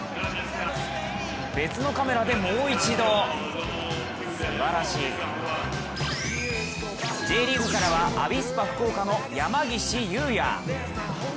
別のカメラでもう一度、すばらしいＪリーグからはアビスパ福岡の山岸祐也。